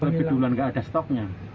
lebih duluan gak ada stoknya